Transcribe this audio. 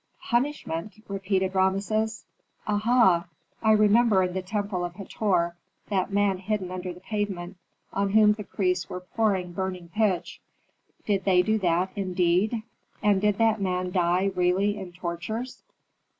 "Punishment?" repeated Rameses. "Aha! I remember in the temple of Hator, that man hidden under the pavement, on whom the priests were pouring burning pitch. Did they do that, indeed, and did that man die really in tortures?"